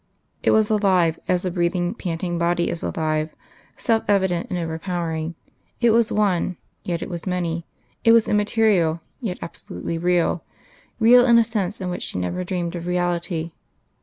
It was alive, as a breathing, panting body is alive self evident and overpowering it was one, yet it was many; it was immaterial, yet absolutely real real in a sense in which she never dreamed of reality....